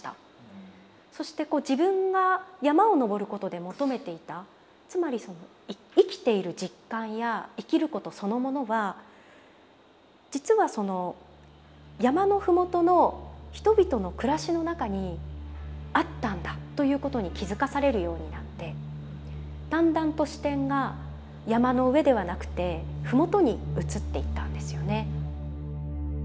そして自分が山を登ることで求めていたつまりその生きている実感や生きることそのものは実はその山の麓の人々の暮らしの中にあったんだということに気付かされるようになってだんだんと視点が山の上ではなくて麓に移っていったんですよね。